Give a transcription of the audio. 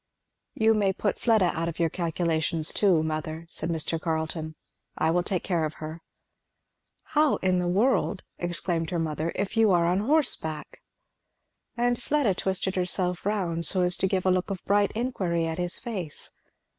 "You may put Fleda out of your calculations too, mother," said Mr. Carleton. "I will take care of her." "How in the world," exclaimed his mother, "if you are on horseback?" And Fleda twisted herself round so as to give a look of bright inquiry at his face.